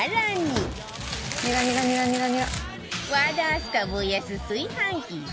和田明日香 ＶＳ 炊飯器